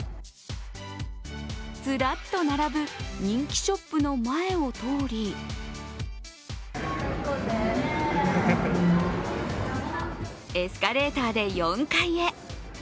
ずらっと並ぶ人気ショップの前を通りエスカレーターで４階へ。